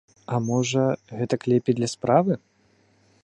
А можа, гэтак лепей для справы?